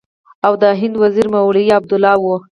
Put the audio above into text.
او د هند وزیر یې مولوي عبیدالله و.